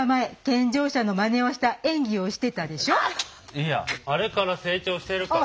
いやあれから成長してるから。